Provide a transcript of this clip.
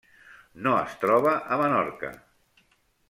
No es troba a Menorca.